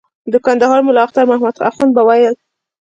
د کندهار ملا اختر محمد اخند به ویل.